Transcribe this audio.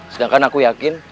sedangkan aku yakin